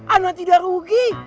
ana tidak rugi